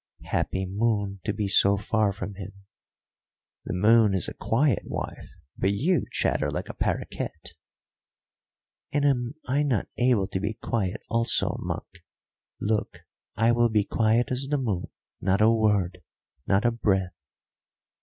"Happy moon, to be so far from him!" "The moon is a quiet wife, but you chatter like a paroquet." "And am I not able to be quiet also, monk? Look, I will be quiet as the moon not a word, not a breath."